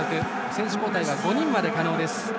選手交代は５人まで可能です。